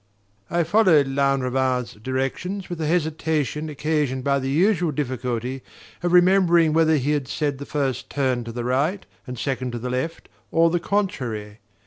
I followed Lanrivain's directions with the hesitation occasioned by the usual difficulty of remembering whether he had said the first turn to the right and second to the left, or the contrary.